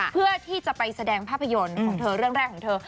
เพื่อที่จะไปแสดงภาพยนตร์ของเธอเรื่องแรกของเธอ